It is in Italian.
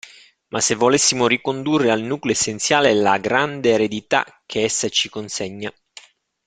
Ma se volessimo ricondurre al nucleo essenziale la grande eredità che essa ci consegna.